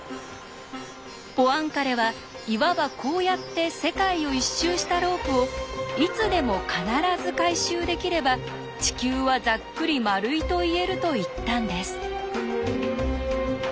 ポアンカレはいわばこうやって世界を一周したロープを「いつでも必ず回収できれば地球はざっくり丸いと言える」と言ったんです。